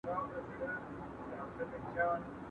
¬ ارزان بې علته نه دئ، گران بې حکمته نه دئ.